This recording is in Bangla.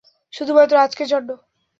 শুধুমাত্র আজকের জন্য?